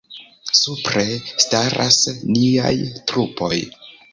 Supre staras niaj trupoj.